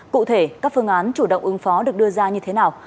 cụ thể các phương án chủ động ứng phó được đưa ra như thế nào